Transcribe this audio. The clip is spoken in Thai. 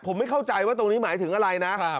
ผมไม่เข้าใจว่าตรงนี้หมายถึงอะไรนะ